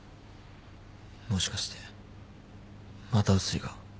もしかしてまた碓井が。